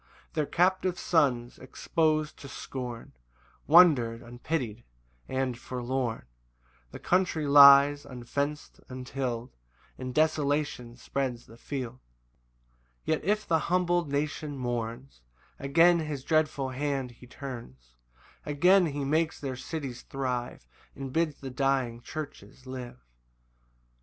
6 Their captive sons, expos'd to scorn, Wander unpity'd and forlorn; The country lies unfenc'd, untill'd, And desolation spreads the field. 7 Yet if the humbled nation mourns, Again his dreadful hand he turns; Again he makes their cities thrive, And bids the dying churches live.